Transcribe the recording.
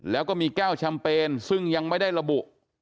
แล้วก็มีแก้วแชมเปญซึ่งยังไม่ได้ระบุ